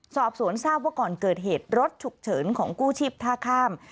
สอบสวนทราบว่าก่อนเกิดเหตุรถฉุกเฉินของกู้ชีพท่าข้าม